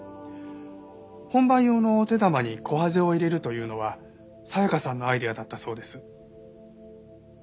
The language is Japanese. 本番用のお手玉にコハゼを入れるというのは紗香さんのアイデアだったそうです。